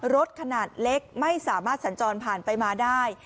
รถขนาดเล็กไม่สามารถสัญจรผ่านไปมาได้